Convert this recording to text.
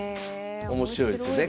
面白いですね。